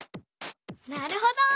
なるほど。